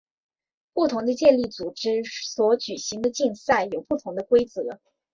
不同的健力组织所举行的竞赛有不同的规则。